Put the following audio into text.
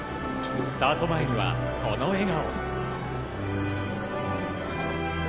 スタート前には、この笑顔。